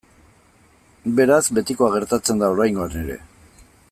Beraz, betikoa gertatzen da oraingoan ere.